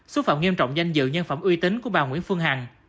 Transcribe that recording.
xúc phạm nghiêm trọng danh dự nhân phẩm uy tín của bà nguyễn phương hằng